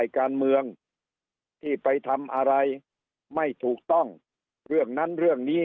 การเมืองที่ไปทำอะไรไม่ถูกต้องเรื่องนั้นเรื่องนี้